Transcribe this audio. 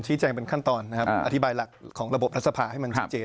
ชิ้นแจ้งเป็นขั้นตอนอธิบายหลักของระบบรัฐสภาให้มันเจน